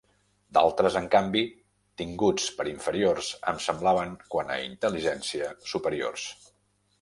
D'altres, en canvi, tinguts per inferiors em semblaven, quant a intel·ligència, superiors.